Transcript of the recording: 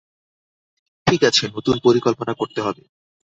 ঠিক আছে, নতুন পরিকল্পনা করতে হবে।